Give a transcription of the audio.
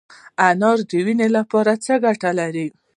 انار د وینې لپاره څه ګټه لري؟